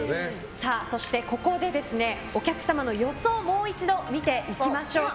そして、ここでお客様の予想をもう一度見ていきましょうか。